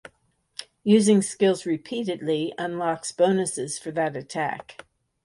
Using skills repeatedly unlocks bonuses for that attack.